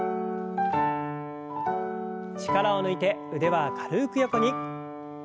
力を抜いて腕は軽く横に。